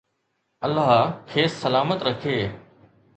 الله کيس سلامت رکي.